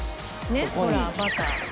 ねっほらバター。